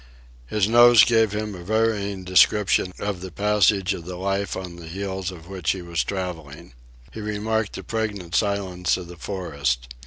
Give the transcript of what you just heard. His nose gave him a varying description of the passage of the life on the heels of which he was travelling. He remarked the pregnant silence of the forest.